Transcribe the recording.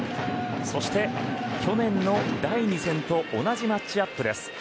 そして去年の第２戦と同じマッチアップです。